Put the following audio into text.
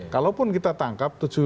kalaupun kita tangkap